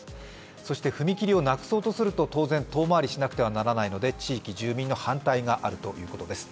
そして踏切をなくそうとすると当然、遠回りしなくてはならないので地域住民の反対があるということです。